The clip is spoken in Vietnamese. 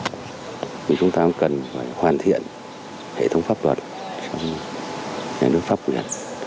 thì chúng ta cũng cần phải hoàn thiện hệ thống pháp luật trong nhà nước pháp quyền